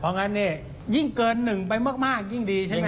งั้นนี่ยิ่งเกินหนึ่งไปมากยิ่งดีใช่ไหม